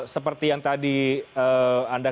seperti yang tadi anda